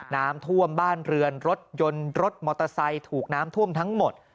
น้ำท่วมบ้านเรือนรถยนต์รถมอเตอร์ไซค์ถูกน้ำท่วมทั้งหมด